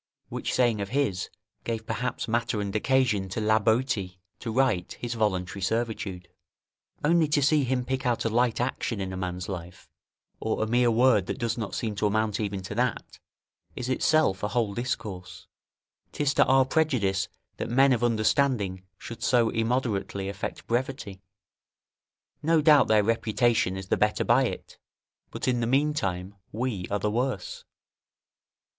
Which saying of his gave perhaps matter and occasion to La Boetie to write his "Voluntary Servitude." Only to see him pick out a light action in a man's life, or a mere word that does not seem to amount even to that, is itself a whole discourse. 'Tis to our prejudice that men of understanding should so immoderately affect brevity; no doubt their reputation is the better by it, but in the meantime we are the worse.